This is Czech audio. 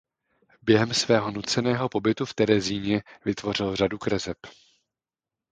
Během svého nuceného pobytu v Terezíně vytvořil řadu kreseb.